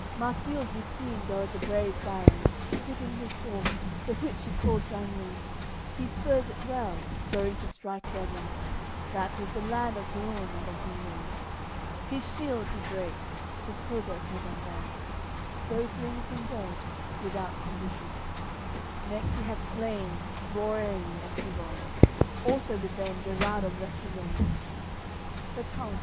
Marsile you'd seen go as a brave baron, Sitting his horse, the which he calls Gaignon; He spurs it well, going to strike Bevon, That was the lord of Beaune and of Dijon, His shield he breaks, his hauberk has undone, So flings him dead, without condition; Next he hath slain Yvoerie and Ivon, Also with them Gerard of Russillon.